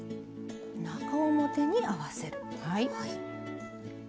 中表に合わせる。